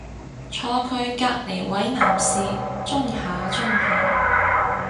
坐佢隔離位男士舂下舂下